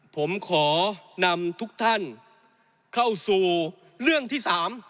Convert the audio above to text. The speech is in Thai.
ผมขอนำทุกท่านเข้าสู่เรื่องที่สาม